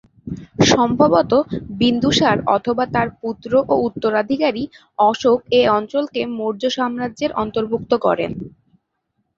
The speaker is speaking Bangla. সম্ভবত বিন্দুসার অথবা তাঁর পুত্র ও উত্তরাধিকারী অশোক এ অঞ্চলকে মৌর্য সাম্রাজ্যের অন্তর্ভূক্ত করেন।